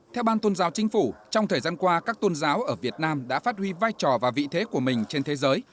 theo ban tôn giáo chính phủ trong thời gian qua các tôn giáo ở việt nam đã phát huy vai trò và vị thế của mình trên thế giới